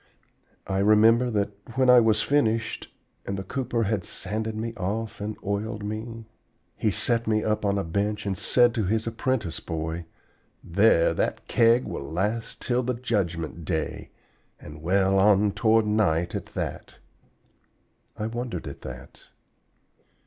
I remember that when I was finished and the cooper had sanded me off and oiled me, he set me up on a bench and said to his apprentice boy: 'There, that Keg will last till the Judgment Day, and well on toward night at that.' I wondered at that.